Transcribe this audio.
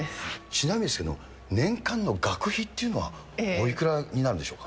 ちなみにですけど、年間の学費っていうのは、おいくらになるんでしょうか。